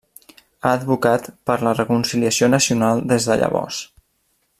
Ha advocat per la reconciliació nacional des de llavors.